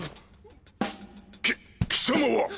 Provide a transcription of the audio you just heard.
き貴様は！